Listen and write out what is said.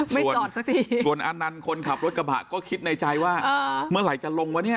ไม่ตอดสักที